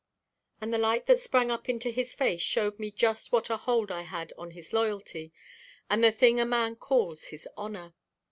And the light that sprang up into his face showed me just what a hold I had on his loyalty and the thing a man calls his honor.